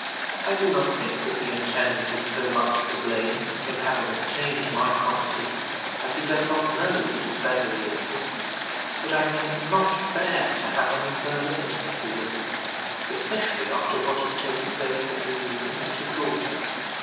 I do not think that the intendant is so much to blame in having obtained my property, as he does not know that a Beverley existed; but I can not bear to have any further intimacy with him, especially after what has taken place between me and his daughter.